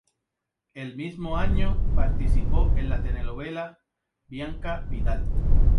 El mismo año participó en la telenovela "Bianca Vidal".